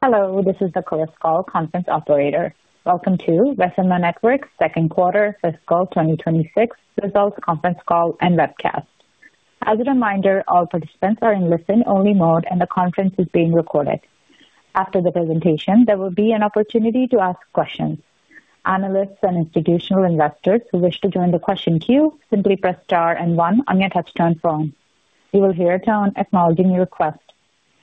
Hello, this is the Chorus Call conference operator. Welcome to Vecima Networks second quarter fiscal year 2026 results conference call and webcast. As a reminder, all participants are in listen-only mode, and the conference is being recorded. After the presentation, there will be an opportunity to ask questions. Analysts and institutional investors who wish to join the question queue, simply press star and one on your touchtone phone. You will hear a tone acknowledging your request.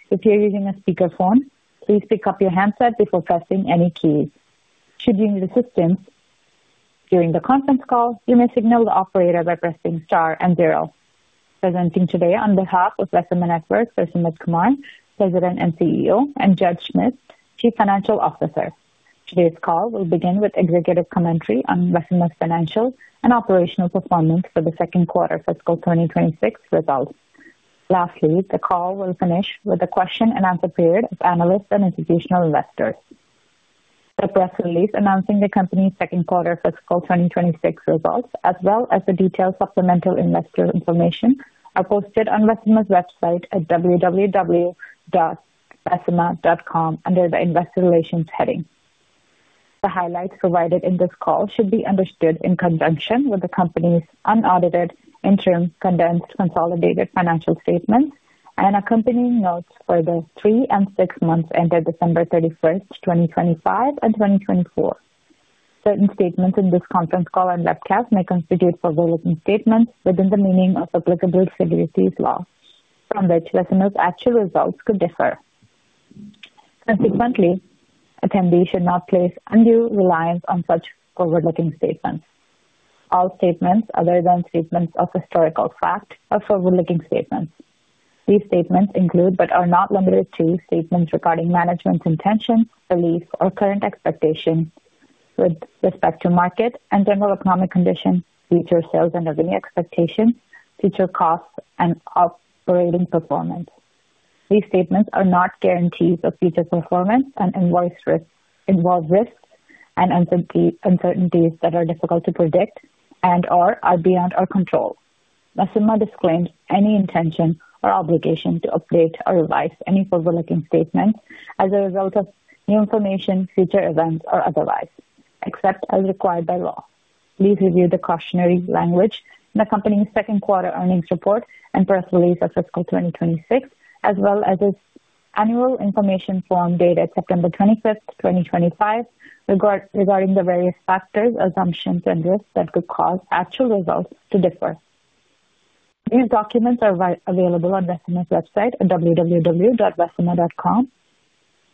If you're using a speakerphone, please pick up your handset before pressing any keys. Should you need assistance during the conference call, you may signal the operator by pressing star and zero. Presenting today on behalf of Vecima Networks, Sumit Kumar, President and CEO, and Judd Schmid, Chief Financial Officer. Today's call will begin with executive commentary on Vecima's financial and operational performance for the second quarter fiscal year 2026 results. Lastly, the call will finish with a question and answer period of analysts and institutional investors. The press release announcing the company's second quarter fiscal year 2026 results, as well as the detailed supplemental investor information, are posted on Vecima's website at www.vecima.com under the Investor Relations heading. The highlights provided in this call should be understood in conjunction with the company's unaudited, interim, condensed, consolidated financial statements and accompanying notes for the three and six months ended December 31, 2025 and 2024. Certain statements in this conference call and webcast may constitute forward-looking statements within the meaning of applicable securities laws from which Vecima's actual results could differ. Consequently, attendees should not place undue reliance on such forward-looking statements. All statements other than statements of historical fact are forward-looking statements. These statements include, but are not limited to, statements regarding management's intentions, beliefs or current expectations with respect to market and general economic conditions, future sales and revenue expectations, future costs and operating performance. These statements are not guarantees of future performance and involve risk, involve risks and uncertainties that are difficult to predict and/or are beyond our control. Vecima disclaims any intention or obligation to update or revise any forward-looking statements as a result of new information, future events or otherwise, except as required by law. Please review the cautionary language in the company's second quarter earnings report and press release of fiscal year 2026, as well as its annual information form dated September 25, 2025, regarding the various factors, assumptions and risks that could cause actual results to differ. These documents are available on Vecima's website at www.vecima.com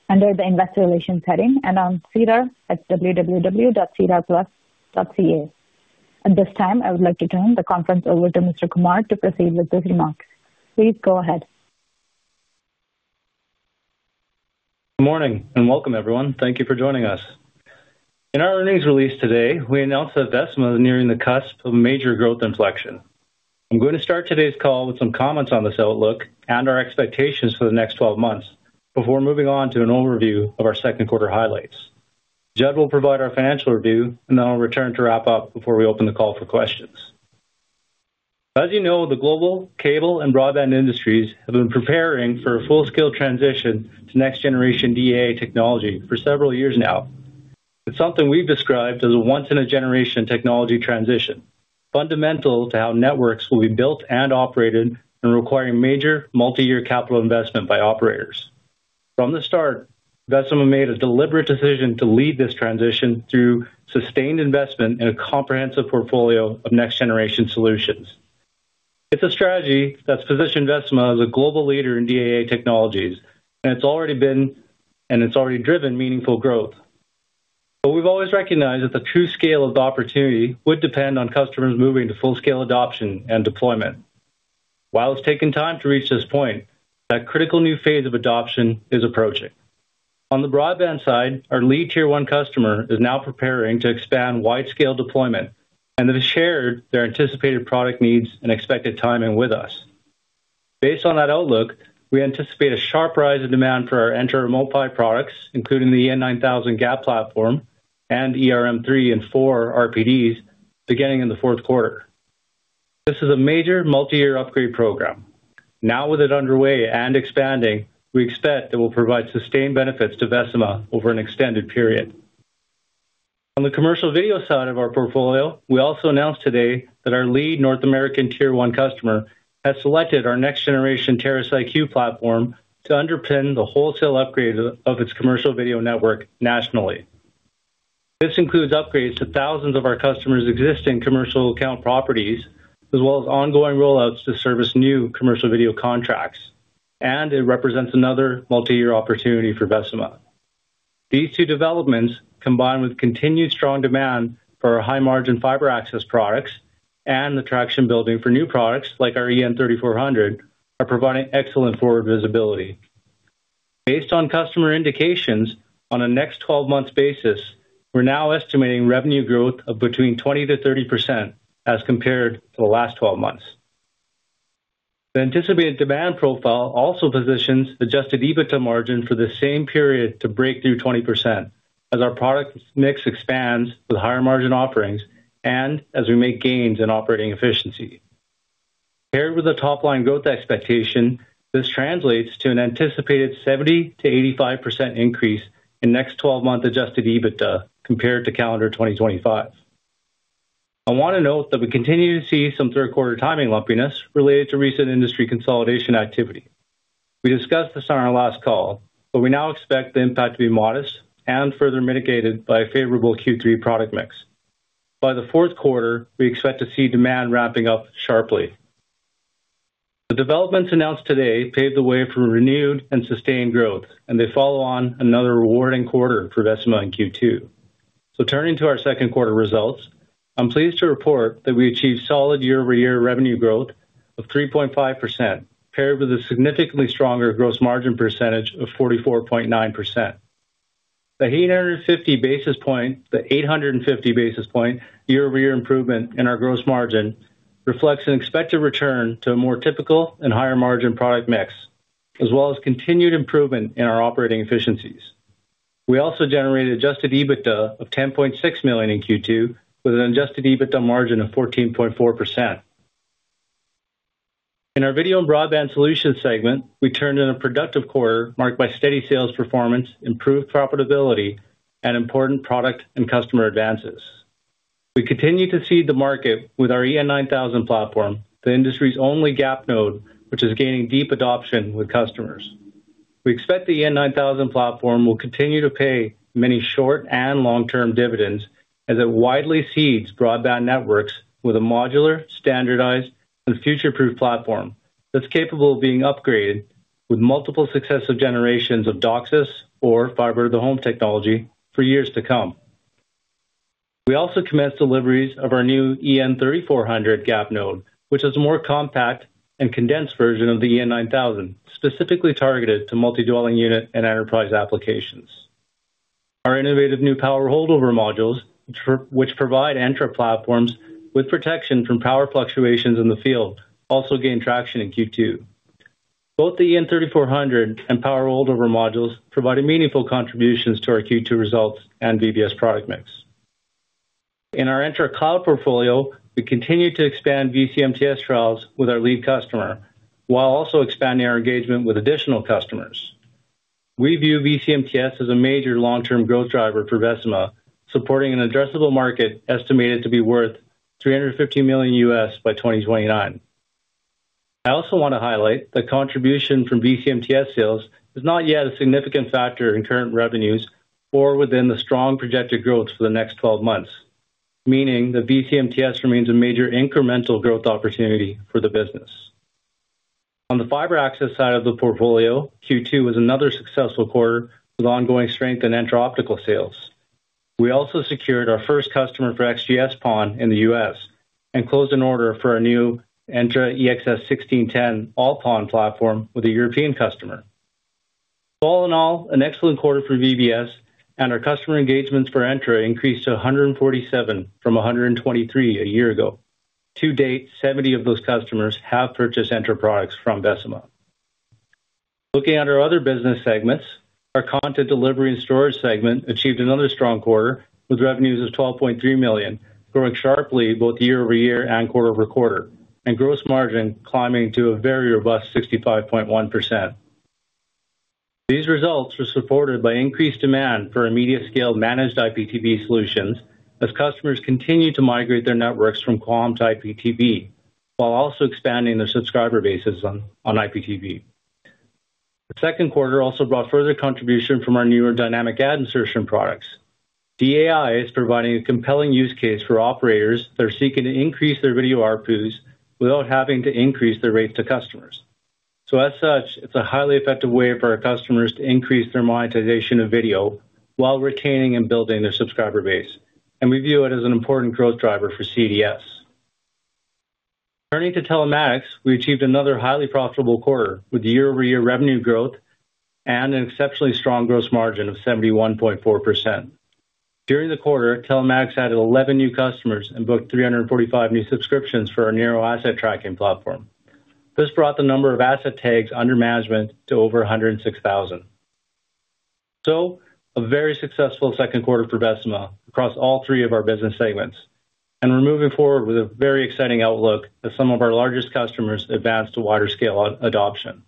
under the Investor Relations heading and on SEDAR+ at www.sedarplus.ca. At this time, I would like to turn the conference over to Mr. Kumar to proceed with his remarks. Please go ahead. Good morning and welcome, everyone. Thank you for joining us. In our earnings release today, we announced that Vecima is nearing the cusp of major growth inflection. I'm going to start today's call with some comments on this outlook and our expectations for the next twelve months before moving on to an overview of our second quarter highlights. Judd will provide our financial review, and then I'll return to wrap up before we open the call for questions. As you know, the global cable and broadband industries have been preparing for a full-scale transition to next-generation DAA technology for several years now. It's something we've described as a once-in-a-generation technology transition, fundamental to how networks will be built and operated, and requiring major multiyear capital investment by operators. From the start, Vecima made a deliberate decision to lead this transition through sustained investment in a comprehensive portfolio of next-generation solutions. It's a strategy that's positioned Vecima as a global leader in DAA technologies, and it's already been and it's already driven meaningful growth. But we've always recognized that the true scale of the opportunity would depend on customers moving to full scale adoption and deployment. While it's taken time to reach this point, that critical new phase of adoption is approaching. On the broadband side, our lead Tier 1 customer is now preparing to expand widescale deployment and have shared their anticipated product needs and expected timing with us. Based on that outlook, we anticipate a sharp rise in demand for our Entra products, including the EN9000 GAP platform and ERM 3 and 4 RPDs beginning in the fourth quarter. This is a major multiyear upgrade program. Now, with it underway and expanding, we expect it will provide sustained benefits to Vecima over an extended period. On the commercial video side of our portfolio, we also announced today that our lead North American Tier 1 customer has selected our next-generation Terrace IQ platform to underpin the wholesale upgrade of its commercial video network nationally. This includes upgrades to thousands of our customers' existing commercial account properties, as well as ongoing rollouts to service new commercial video contracts, and it represents another multiyear opportunity for Vecima. These two developments, combined with continued strong demand for our high-margin fiber access products and the traction building for new products like our EN3400, are providing excellent forward visibility. Based on customer indications on a next 12 months basis, we're now estimating revenue growth of between 20%-30% as compared to the last 12 months. The anticipated demand profile also positions Adjusted EBITDA margin for the same period to break through 20% as our product mix expands with higher margin offerings and as we make gains in operating efficiency, paired with the top line growth expectation, this translates to an anticipated 70%-85% increase in next twelve-month Adjusted EBITDA compared to calendar 2025. I want to note that we continue to see some third quarter timing lumpiness related to recent industry consolidation activity. We discussed this on our last call, but we now expect the impact to be modest and further mitigated by a favorable Q3 product mix. By the fourth quarter, we expect to see demand ramping up sharply. The developments announced today pave the way for renewed and sustained growth, and they follow on another rewarding quarter for Vecima in Q2. So turning to our second quarter results, I'm pleased to report that we achieved solid year-over-year revenue growth of 3.5%, paired with a significantly stronger gross margin percentage of 44.9%. The 850 basis point, the 850 basis point year-over-year improvement in our gross margin reflects an expected return to a more typical and higher margin product mix, as well as continued improvement in our operating efficiencies. We also generated Adjusted EBITDA of 10.6 million in Q2, with an Adjusted EBITDA margin of 14.4%. In our Video and Broadband Solutions segment, we turned in a productive quarter, marked by steady sales performance, improved profitability, and important product and customer advances. We continue to seed the market with our EN9000 platform, the industry's only GAP node, which is gaining deep adoption with customers. We expect the EN9000 platform will continue to pay many short and long-term dividends as it widely seeds broadband networks with a modular, standardized, and future-proof platform that's capable of being upgraded with multiple successive generations of DOCSIS or Fiber to the Home technology for years to come. We also commenced deliveries of our new EN3400 GAP node, which is a more compact and condensed version of the EN9000, specifically targeted to multi-dwelling unit and enterprise applications. Our innovative new Power Holdover modules, which provide Entra platforms with protection from power fluctuations in the field, also gained traction in Q2. Both the EN3400 and Power Holdover modules provided meaningful contributions to our Q2 results and VBS product mix. In our Entra Cloud portfolio, we continued to expand vCMTS trials with our lead customer, while also expanding our engagement with additional customers. We view vCMTS as a major long-term growth driver for Vecima, supporting an addressable market estimated to be worth $350 million by 2029. I also want to highlight that contribution from vCMTS sales is not yet a significant factor in current revenues or within the strong projected growth for the next 12 months, meaning that vCMTS remains a major incremental growth opportunity for the business. On the fiber access side of the portfolio, Q2 was another successful quarter with ongoing strength in Entra Optical sales. We also secured our first customer for XGS-PON in the U.S. and closed an order for our new Entra EXS1610 All-PON platform with a European customer. All in all, an excellent quarter for VBS and our customer engagements for Entra increased to 147 from 123 a year ago. To date, 70 of those customers have purchased Entra products from Vecima. Looking at our other business segments, our Content Delivery and Storage segment achieved another strong quarter, with revenues of 12.3 million, growing sharply both year-over-year and quarter-over-quarter, and gross margin climbing to a very robust 65.1%. These results were supported by increased demand for immediate scale managed IPTV solutions as customers continued to migrate their networks from QAM to IPTV, while also expanding their subscriber bases on IPTV. The second quarter also brought further contribution from our newer dynamic ad insertion products. DAI is providing a compelling use case for operators that are seeking to increase their video ARPUs without having to increase their rates to customers. So as such, it's a highly effective way for our customers to increase their monetization of video while retaining and building their subscriber base, and we view it as an important growth driver for CDS. Turning to Telematics, we achieved another highly profitable quarter with year-over-year revenue growth and an exceptionally strong gross margin of 71.4%. During the quarter, Telematics added 11 new customers and booked 345 new subscriptions for our narrow asset tracking platform. This brought the number of asset tags under management to over 106,000. So a very successful second quarter for Vecima across all three of our business segments, and we're moving forward with a very exciting outlook as some of our largest customers advance to wider scale on adoption.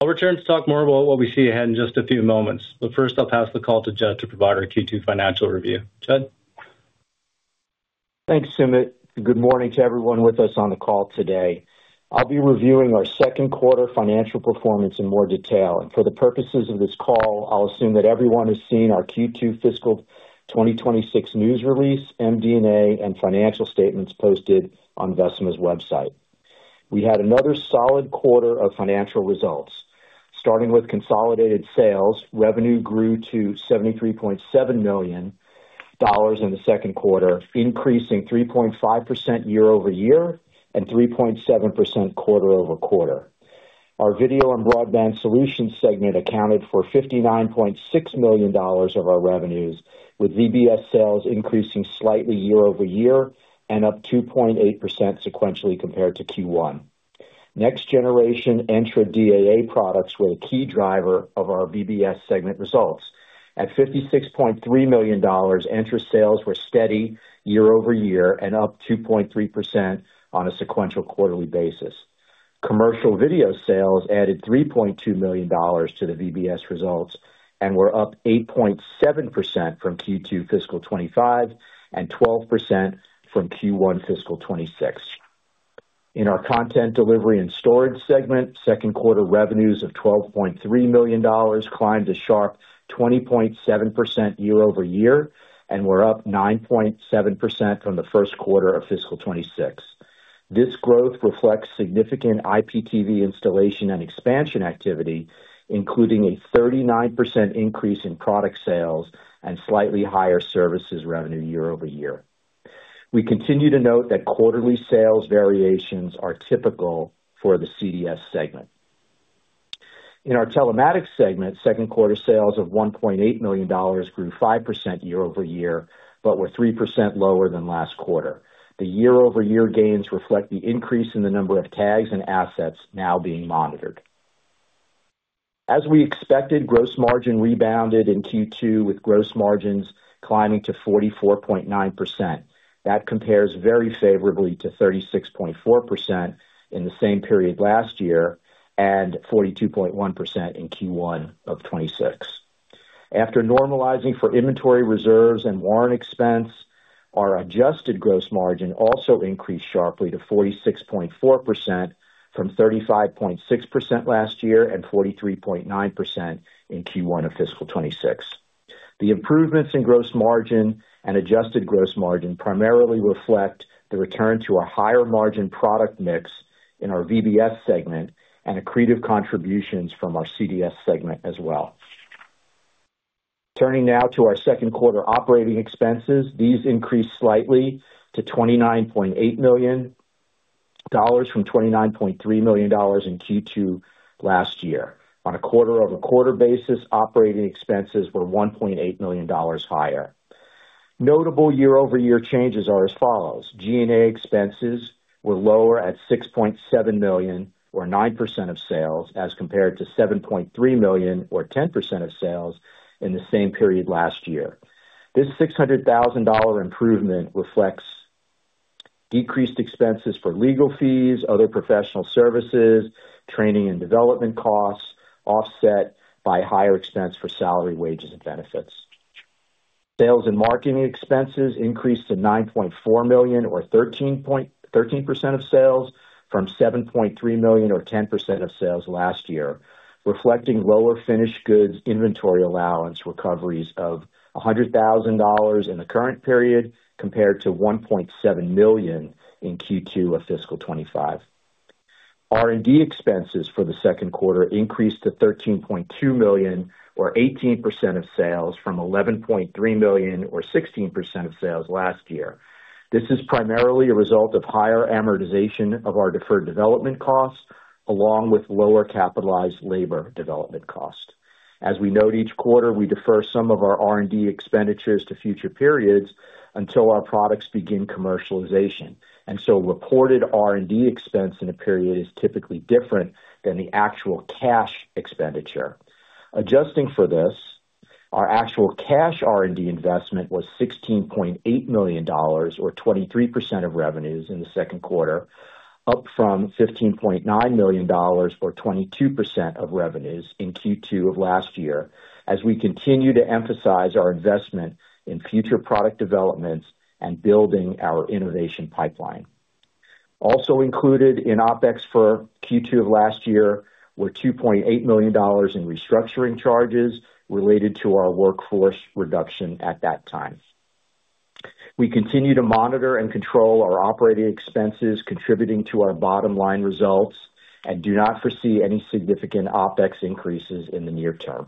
I'll return to talk more about what we see ahead in just a few moments, but first, I'll pass the call to Judd to provide our Q2 financial review. Judd? Thanks, Sumit. Good morning to everyone with us on the call today. I'll be reviewing our second quarter financial performance in more detail, and for the purposes of this call, I'll assume that everyone has seen our Q2 fiscal year 2026 news release, MD&A, and financial statements posted on Vecima's website. We had another solid quarter of financial results. Starting with consolidated sales, revenue grew to 73.7 million dollars in the second quarter, increasing 3.5% year-over-year and 3.7% quarter-over-quarter. Our Video and Broadband Solutions segment accounted for 59.6 million dollars of our revenues, with VBS sales increasing slightly year-over-year and up 2.8% sequentially compared to Q1. Next-generation Entra DAA products were a key driver of our VBS segment results. At 56.3 million dollars, Entra sales were steady year-over-year and up 2.3% on a sequential quarterly basis. Commercial video sales added 3.2 million dollars to the VBS results and were up 8.7% from Q2 fiscal year 2025 and 12% from Q1 fiscal year 2026. In our Content Delivery and Storage segment, second quarter revenues of 12.3 million dollars climbed a sharp 20.7% year-over-year, and were up 9.7% from the first quarter of fiscal year 2026. This growth reflects significant IPTV installation and expansion activity, including a 39% increase in product sales and slightly higher services revenue year-over-year. We continue to note that quarterly sales variations are typical for the CDS segment. In our Telematics segment, second quarter sales of 1.8 million dollars grew 5% year-over-year, but were 3% lower than last quarter. The year-over-year gains reflect the increase in the number of tags and assets now being monitored. As we expected, gross margin rebounded in Q2, with gross margins climbing to 44.9%. That compares very favorably to 36.4% in the same period last year, and 42.1% in Q1 of 2026. After normalizing for inventory reserves and warrant expense, our adjusted gross margin also increased sharply to 46.4% from 35.6% last year and 43.9% in Q1 of fiscal year 2026. The improvements in gross margin and adjusted gross margin primarily reflect the return to a higher margin product mix in our VBS segment and accretive contributions from our CDS segment as well. Turning now to our second quarter operating expenses. These increased slightly to 29.8 million dollars from 29.3 million dollars in Q2 last year. On a quarter-over-quarter basis, operating expenses were 1.8 million dollars higher. Notable year-over-year changes are as follows: G&A expenses were lower at 6.7 million, or 9% of sales, as compared to 7.3 million, or 10% of sales, in the same period last year. This 600,000-dollar improvement reflects decreased expenses for legal fees, other professional services, training and development costs, offset by higher expense for salary, wages, and benefits. Sales and marketing expenses increased to 9.4 million or 13.13% of sales from 7.3 million or 10% of sales last year, reflecting lower finished goods inventory allowance recoveries of 100,000 dollars in the current period, compared to 1.7 million in Q2 of fiscal year 2025. R&D expenses for the second quarter increased to 13.2 million, or 18% of sales, from 11.3 million, or 16% of sales last year. This is primarily a result of higher amortization of our deferred development costs, along with lower capitalized labor development costs. As we note each quarter, we defer some of our R&D expenditures to future periods until our products begin commercialization, and so reported R&D expense in a period is typically different than the actual cash expenditure. Adjusting for this, our actual cash R&D investment was 16.8 million dollars, or 23% of revenues in the second quarter, up from 15.9 million dollars or 22% of revenues in Q2 of last year. As we continue to emphasize our investment in future product developments and building our innovation pipeline. Also included in OpEx for Q2 of last year were 2.8 million dollars in restructuring charges related to our workforce reduction at that time. We continue to monitor and control our operating expenses, contributing to our bottom-line results, and do not foresee any significant OpEx increases in the near term.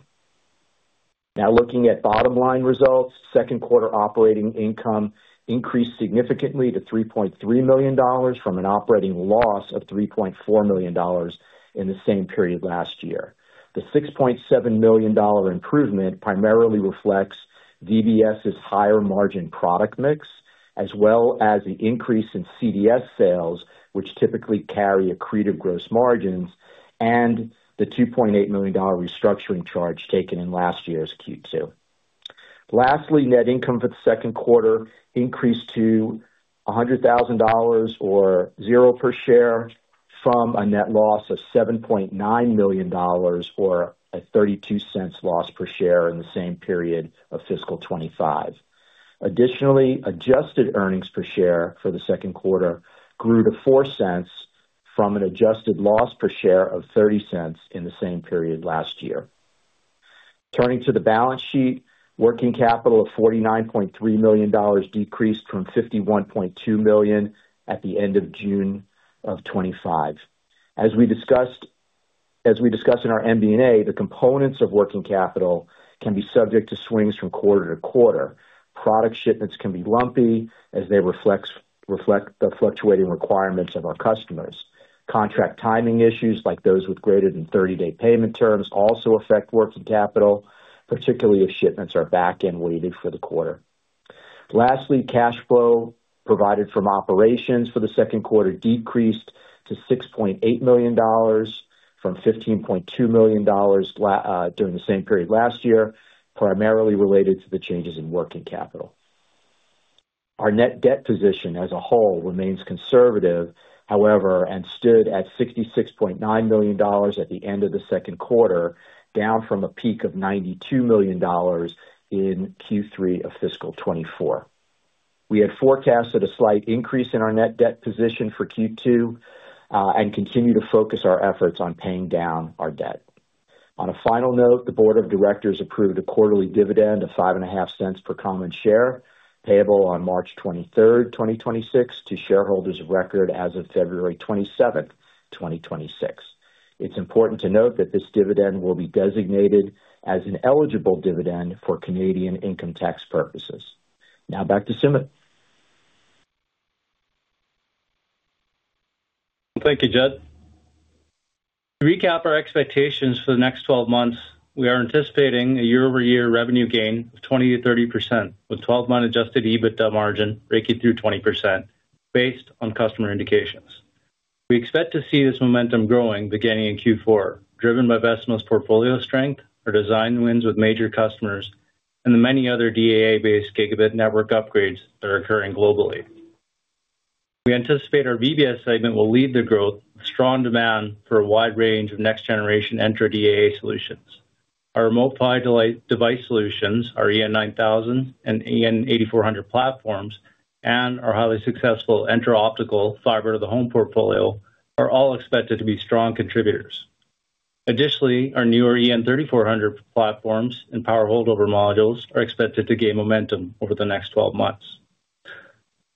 Now, looking at bottom-line results, second quarter operating income increased significantly to 3.3 million dollars from an operating loss of 3.4 million dollars in the same period last year. The 6.7 million dollar improvement primarily reflects VBS's higher margin product mix, as well as the increase in CDS sales, which typically carry accretive gross margins, and the 2.8 million dollar restructuring charge taken in last year's Q2. Lastly, net income for the second quarter increased to 100,000 dollars or 0.00 per share from a net loss of 7.9 million dollars or a 0.32 loss per share in the same period of fiscal year 2025. Additionally, adjusted earnings per share for the second quarter grew to 0.04 from an adjusted loss per share of 0.30 in the same period last year. Turning to the balance sheet, working capital of 49.3 million dollars decreased from 51.2 million at the end of June 2025. As we discussed, as we discussed in our MD&A, the components of working capital can be subject to swings from quarter to quarter. Product shipments can be lumpy as they reflect the fluctuating requirements of our customers. Contract timing issues, like those with greater than 30-day payment terms, also affect working capital, particularly if shipments are back-end loaded for the quarter. Lastly, cash flow provided from operations for the second quarter decreased to 6.8 million dollars from 15.2 million dollars during the same period last year, primarily related to the changes in working capital. Our net debt position as a whole remains conservative, however, and stood at 66.9 million dollars at the end of the second quarter, down from a peak of 92 million dollars in Q3 of fiscal year 2024. We had forecasted a slight increase in our net debt position for Q2, and continue to focus our efforts on paying down our debt. On a final note, the Board of Directors approved a quarterly dividend of 0.055 per common share, payable on March 23rd, 2026, to shareholders of record as of February 27th, 2026. It's important to note that this dividend will be designated as an eligible dividend for Canadian income tax purposes. Now back to Sumit. Thank you, Judd. To recap our expectations for the next 12 months, we are anticipating a year-over-year revenue gain of 20%-30%, with 12-month Adjusted EBITDA margin breaking through 20% based on customer indications. We expect to see this momentum growing beginning in Q4, driven by Vecima's portfolio strength, our design wins with major customers, and the many other DAA-based gigabit network upgrades that are occurring globally. We anticipate our VBS segment will lead the growth, with strong demand for a wide range of next-generation Entra DAA solutions. Our remote PHY device solutions, our EN9000 and EN8400 platforms, and our highly successful Entra Optical fiber-to-the-home portfolio, are all expected to be strong contributors. Additionally, our newer EN3400 platforms and Power Holdover modules are expected to gain momentum over the next 12 months.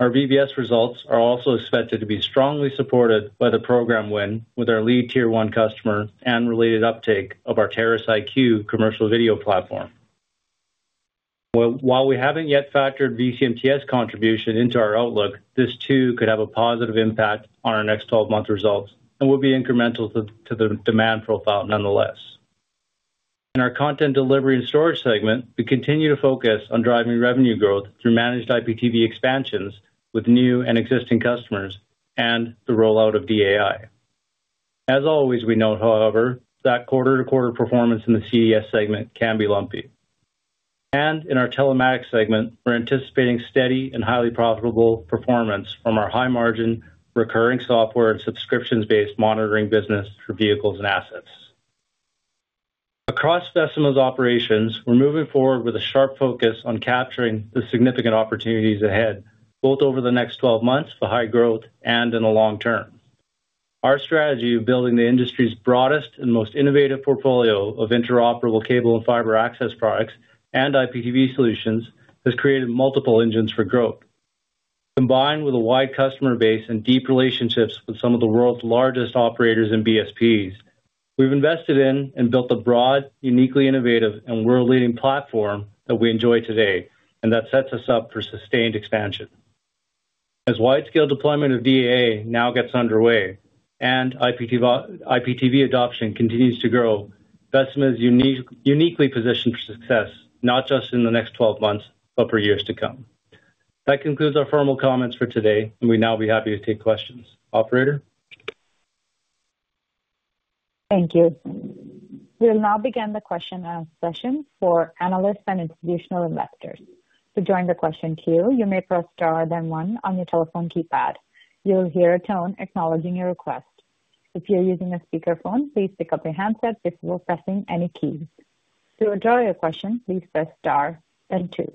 Our VBS results are also expected to be strongly supported by the program win with our lead Tier 1 customer and related uptake of our Terrace IQ commercial video platform. Well, while we haven't yet factored vCMTS contribution into our outlook, this too, could have a positive impact on our next twelve months results and will be incremental to the demand profile nonetheless. In our Content Delivery and Storage segment, we continue to focus on driving revenue growth through managed IPTV expansions with new and existing customers and the rollout of DAI. As always, we note, however, that quarter-to-quarter performance in the CDS segment can be lumpy. In our Telematics segment, we're anticipating steady and highly profitable performance from our high margin, recurring software and subscriptions-based monitoring business for vehicles and assets. Across Vecima's operations, we're moving forward with a sharp focus on capturing the significant opportunities ahead, both over the next 12 months for high growth and in the long term. Our strategy of building the industry's broadest and most innovative portfolio of interoperable cable and fiber access products and IPTV solutions has created multiple engines for growth. Combined with a wide customer base and deep relationships with some of the world's largest operators and BSPs, we've invested in and built a broad, uniquely innovative and world-leading platform that we enjoy today, and that sets us up for sustained expansion. As wide-scale deployment of DAA now gets underway and IPTV, IPTV adoption continues to grow, Vecima is uniquely positioned for success, not just in the next 12 months, but for years to come. That concludes our formal comments for today, and we'd now be happy to take questions. Operator? Thank you. We'll now begin the question session for analysts and institutional investors. To join the question queue, you may press star, then one on your telephone keypad. You'll hear a tone acknowledging your request. If you're using a speakerphone, please pick up your handset before pressing any keys. To withdraw your question, please press star then two.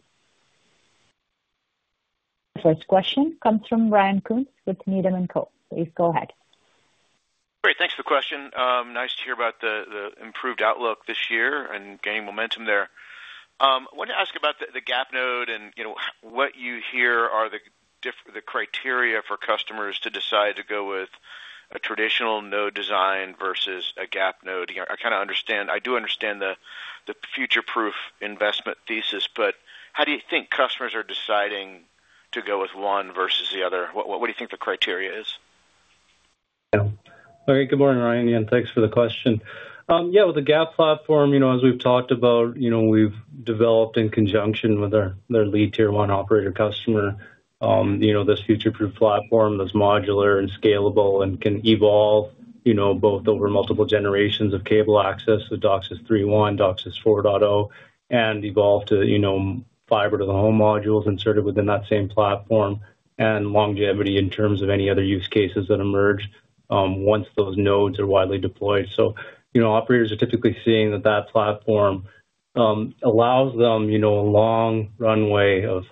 First question comes from Ryan Koontz with Needham & Co. Please go ahead. Great, thanks for the question. Nice to hear about the improved outlook this year and gaining momentum there. I wanted to ask about the GAP node and, you know, what you hear are the criteria for customers to decide to go with a traditional node design versus a GAP node. I kind of understand... I do understand the future-proof investment thesis, but how do you think customers are deciding to go with one versus the other? What do you think the criteria is? Yeah. Okay, good morning, Ryan, and thanks for the question. Yeah, with the GAP platform, you know, as we've talked about, you know, we've developed in conjunction with our lead Tier 1 operator customer, you know, this future-proof platform that's modular and scalable and can evolve, you know, both over multiple generations of cable access, the DOCSIS 3.1, DOCSIS 4.0, and evolve to, you know, fiber to the home modules inserted within that same platform, and longevity in terms of any other use cases that emerge, once those nodes are widely deployed. So, you know, operators are typically seeing that platform allows them, you know, a long runway of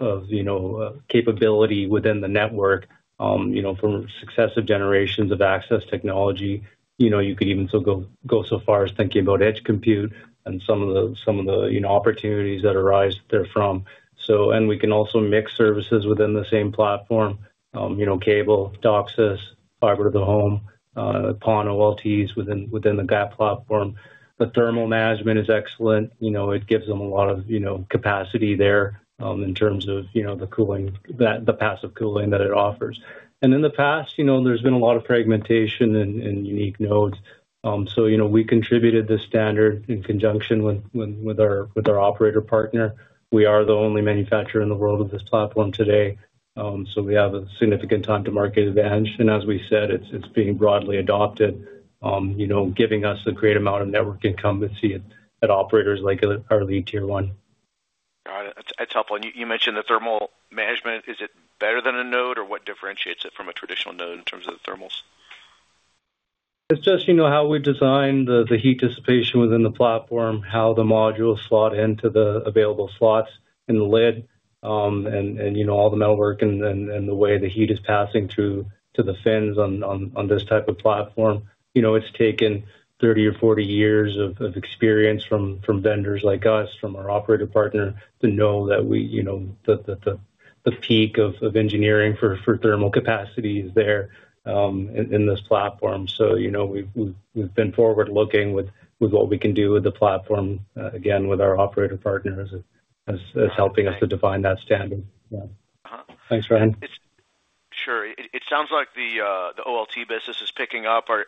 capability within the network, you know, from successive generations of access technology. You know, you could even so go so far as thinking about edge compute and some of the, you know, opportunities that arise therefrom. So we can also mix services within the same platform, you know, cable, DOCSIS, fiber to the home, PON OLTs within the GAP platform. The thermal management is excellent. You know, it gives them a lot of, you know, capacity there, in terms of, you know, the cooling, the passive cooling that it offers. And in the past, you know, there's been a lot of fragmentation and unique nodes. So, you know, we contributed the standard in conjunction with our operator partner. We are the only manufacturer in the world of this platform today, so we have a significant time to market advantage. As we said, it's, it's being broadly adopted, you know, giving us a great amount of network incumbency at operators like our lead Tier 1.... It's helpful. And you mentioned the thermal management. Is it better than a node, or what differentiates it from a traditional node in terms of the thermals? It's just, you know, how we design the heat dissipation within the platform, how the modules slot into the available slots in the lid, and, you know, all the metalwork and then the way the heat is passing through to the fins on this type of platform. You know, it's taken 30 or 40 years of experience from vendors like us, from our operator partner, to know that we, you know, that the peak of engineering for thermal capacity is there in this platform. So, you know, we've been forward-looking with what we can do with the platform, again, with our operator partners as helping us to define that standard. Yeah. Uh-huh. Thanks, Ryan. Sure. It sounds like the OLT business is picking up. Are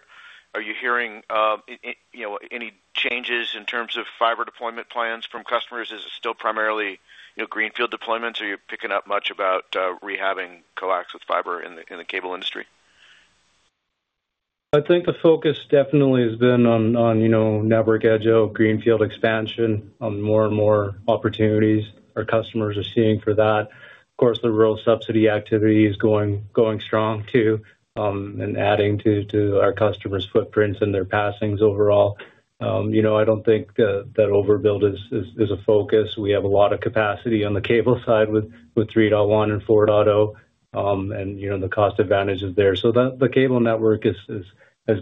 you hearing, you know, any changes in terms of fiber deployment plans from customers? Is it still primarily, you know, greenfield deployments, or are you picking up much about, rehabbing coax with fiber in the cable industry? I think the focus definitely has been on you know, network edge, oh, greenfield expansion, on more and more opportunities our customers are seeing for that. Of course, the rural subsidy activity is going strong too, and adding to our customers' footprints and their passings overall. You know, I don't think that overbuild is a focus. We have a lot of capacity on the cable side with 3.1 and 4.0. And you know, the cost advantage is there. So the cable network has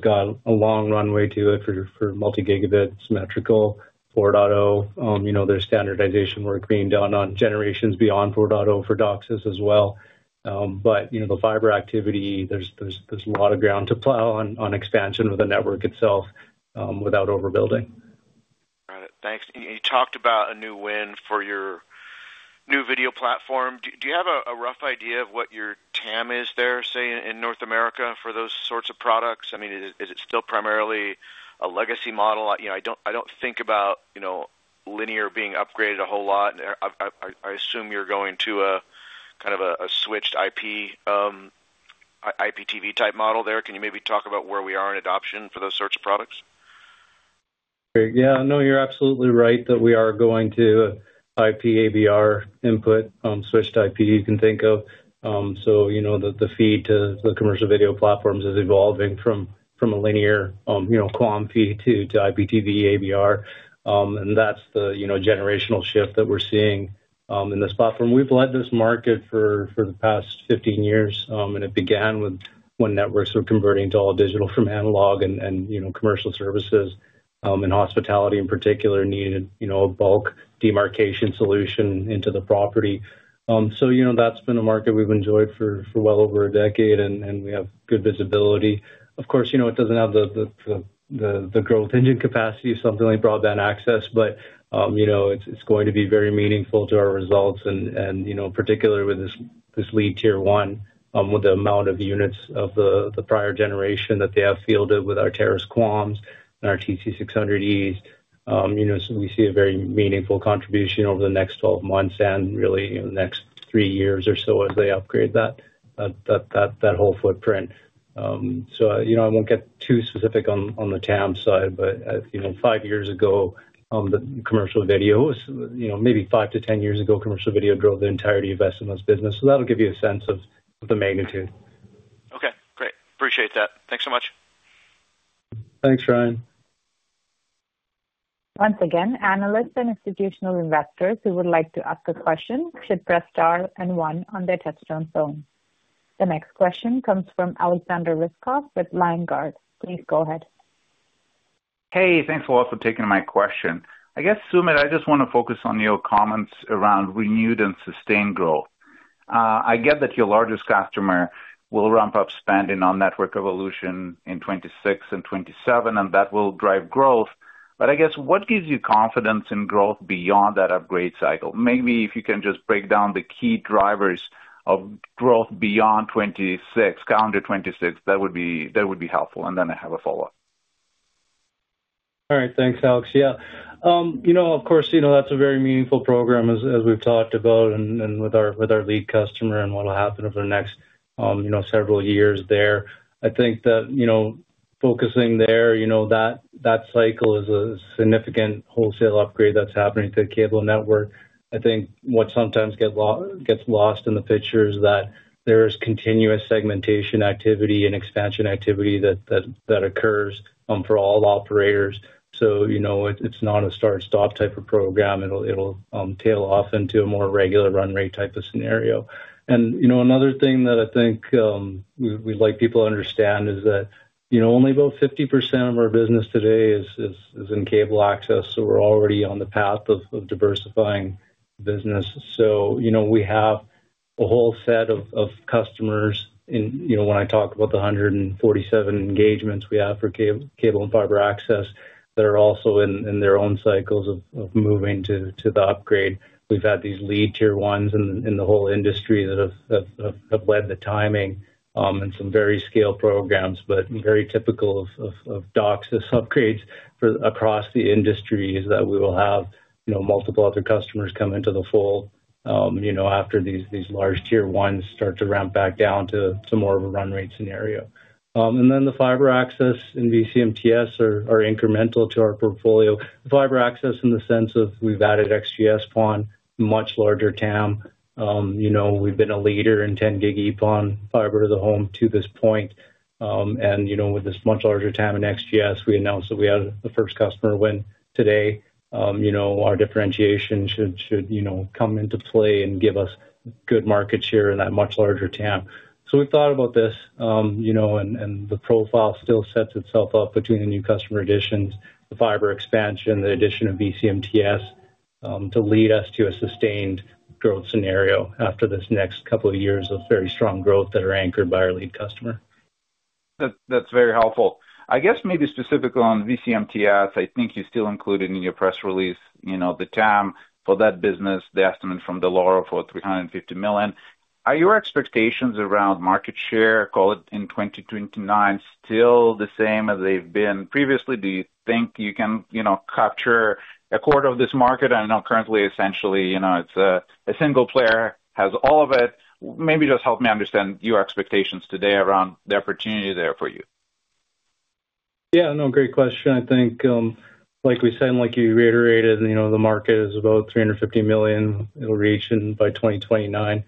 got a long runway to it for multi-gigabit, symmetrical 4.0. You know, there's standardization work being done on generations beyond 4.0 for DOCSIS as well. But, you know, the fiber activity, there's a lot of ground to plow on expansion of the network itself, without overbuilding. Got it. Thanks. You talked about a new win for your new video platform. Do you have a rough idea of what your TAM is there, say, in North America for those sorts of products? I mean, is it still primarily a legacy model? You know, I don't think about, you know, linear being upgraded a whole lot. I assume you're going to a kind of switched IP IPTV-type model there. Can you maybe talk about where we are in adoption for those sorts of products? Yeah. No, you're absolutely right that we are going to IP AV input, switched IP, you can think of. So you know, the feed to the commercial video platforms is evolving from a linear, you know, QAM feed to IPTV AV. And that's the, you know, generational shift that we're seeing in this platform. We've led this market for the past 15 years, and it began with when networks were converting to all digital from analog and, you know, commercial services, and hospitality in particular, needed, you know, a bulk demarcation solution into the property. So, you know, that's been a market we've enjoyed for well over a decade, and we have good visibility. Of course, you know, it doesn't have the growth engine capacity of something like broadband access, but, you know, it's going to be very meaningful to our results and, you know, particularly with this lead Tier 1, with the amount of units of the prior generation that they have fielded with our Terrace QAMs and our TC600Es. You know, so we see a very meaningful contribution over the next 12 months and really in the next three years or so as they upgrade that whole footprint. So, you know, I won't get too specific on the TAM side, but, you know, five years ago, the commercial video was, you know, maybe five to 10 years ago, commercial video drove the entirety of MSO business. That'll give you a sense of the magnitude. Okay, great. Appreciate that. Thanks so much. Thanks, Ryan. Once again, analysts and institutional investors who would like to ask a question should press star and one on their touchtone phone. The next question comes from Alexandre Ryzhikov with LionGuard. Please go ahead. Hey, thanks a lot for taking my question. I guess, Sumit, I just want to focus on your comments around renewed and sustained growth. I get that your largest customer will ramp up spending on network evolution in 2026 and 2027, and that will drive growth. But I guess, what gives you confidence in growth beyond that upgrade cycle? Maybe if you can just break down the key drivers of growth beyond 2026, calendar 2026, that would be, that would be helpful. Then I have a follow-up. All right. Thanks, Alex. Yeah. You know, of course, you know, that's a very meaningful program as we've talked about and with our lead customer and what will happen over the next, you know, several years there. I think that, you know, focusing there, you know, that cycle is a significant wholesale upgrade that's happening to the cable network. I think what sometimes gets lost in the picture is that there's continuous segmentation activity and expansion activity that occurs for all operators. So you know, it, it's not a start, stop type of program. It'll tail off into a more regular run rate type of scenario. You know, another thing that I think we, we'd like people to understand is that, you know, only about 50% of our business today is in cable access, so we're already on the path of diversifying business. So, you know, we have a whole set of customers in, you know, when I talk about the 147 engagements we have for cable and fiber access, that are also in their own cycles of moving to the upgrade. We've had these lead Tier 1s in the whole industry that have led the timing, and some very scale programs, but very typical of DOCSIS upgrades across the industry is that we will have, you know, multiple other customers come into the fold, you know, after these large Tier 1s start to ramp back down to some more of a run rate scenario. And then the fiber access and vCMTS are incremental to our portfolio. The fiber access in the sense of we've added XGS-PON, much larger TAM. You know, we've been a leader in 10G-EPON, fiber to the home, to this point. And, you know, with this much larger TAM in XGS, we announced that we had the first customer win today. You know, our differentiation should, you know, come into play and give us good market share in that much larger TAM. So we've thought about this, you know, and the profile still sets itself up between the new customer additions, the fiber expansion, the addition of vCMTS, to lead us to a sustained growth scenario after this next couple of years of very strong growth that are anchored by our lead customer. That's, that's very helpful. I guess maybe specifically on vCMTS, I think you still included in your press release, you know, the TAM for that business, the estimate from Dell'Oro for $350 million. Are your expectations around market share, call it in 2029, still the same as they've been previously? Do you think you can, you know, capture a quarter of this market? I know currently, essentially, you know, it's a, a single player has all of it. Maybe just help me understand your expectations today around the opportunity there for you. Yeah, no, great question. I think, like we said, like you reiterated, you know, the market is about $350 million it'll reach in by 2029.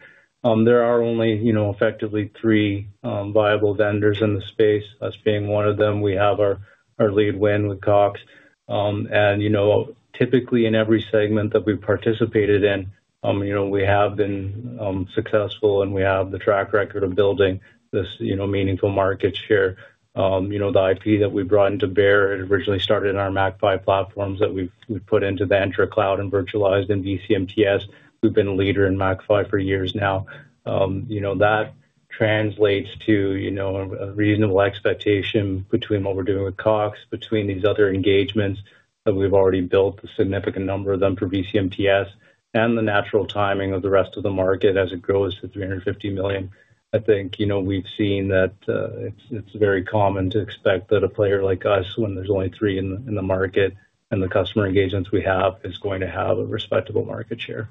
There are only, you know, effectively 3 viable vendors in the space, us being one of them. We have our lead win with Cox. And, you know, typically in every segment that we've participated in, you know, we have been successful, and we have the track record of building this, you know, meaningful market share. You know, the IP that we brought into bear, it originally started in our MACPHY platforms that we've put into the Entra Cloud and virtualized in vCMTS. We've been a leader in MACPHY for years now. You know, that translates to, you know, a, a reasonable expectation between what we're doing with Cox, between these other engagements, that we've already built a significant number of them for vCMTS, and the natural timing of the rest of the market as it grows to 350 million. I think, you know, we've seen that, it's, it's very common to expect that a player like us, when there's only three in the market, and the customer engagements we have, is going to have a respectable market share.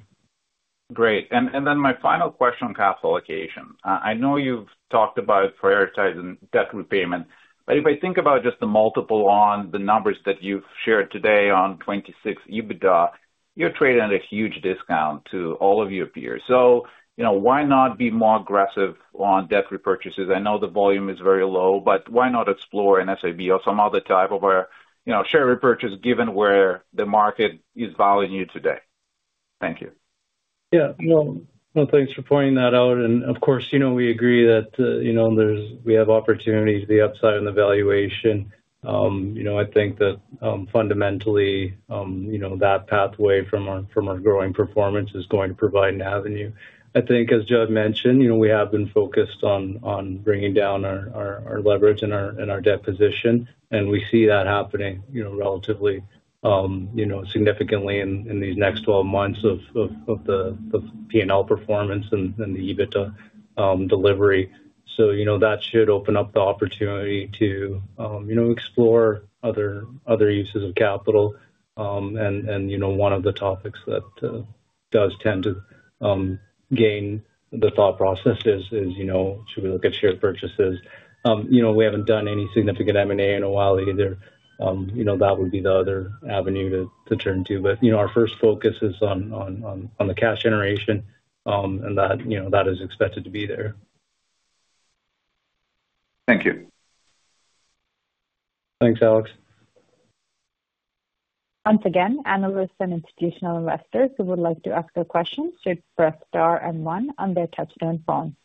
Great. And then my final question on capital allocation. I know you've talked about prioritizing debt repayment, but if I think about just the multiple on the numbers that you've shared today on 2026 EBITDA, you're trading at a huge discount to all of your peers. So, you know, why not be more aggressive on debt repurchases? I know the volume is very low, but why not explore an SIB or some other type of a, you know, share repurchase, given where the market is valuing you today? Thank you. Yeah. No, well, thanks for pointing that out. And of course, you know, we agree that, you know, there's, we have opportunity to the upside in the valuation. You know, I think that, fundamentally, you know, that pathway from our growing performance is going to provide an avenue. I think, as Judd mentioned, you know, we have been focused on bringing down our leverage and our debt position, and we see that happening, you know, relatively, you know, significantly in these next 12 months of the P&L performance and the EBITDA delivery. So, you know, that should open up the opportunity to, you know, explore other uses of capital. And, and, you know, one of the topics that does tend to gain the thought processes is, you know, should we look at share purchases? You know, we haven't done any significant M&A in a while either, you know, that would be the other avenue to turn to. But, you know, our first focus is on the cash generation, and that, you know, that is expected to be there. Thank you. Thanks, Alex. Once again, analysts and institutional investors who would like to ask their questions should press star and one on their touchtone phone.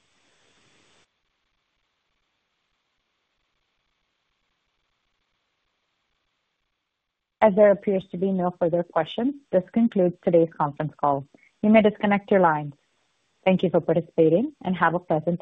As there appears to be no further questions, this concludes today's conference call. You may disconnect your lines. Thank you for participating, and have a blessed day.